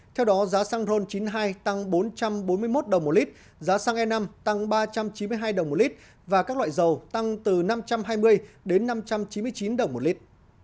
theo đó giá xăng ron chín mươi hai tăng bốn trăm bốn mươi một đồng một lít giá xăng e năm tăng ba trăm chín mươi hai đồng một lít và các loại dầu tăng từ năm trăm hai mươi đến năm trăm chín mươi chín đồng một lít